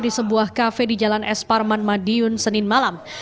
di sebuah kafe di jalan es parman madiun senin malam